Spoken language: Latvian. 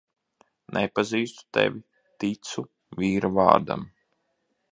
Nepazīstu tevi, ticu vīra vārdam.